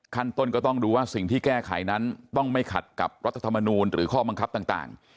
ขั้นต้นก็ต้องดูว่าสิ่งที่แก้ไขนั้นต้องไม่ขัดกับรัฐธรรมนูลหรือข้อบังคับต่าง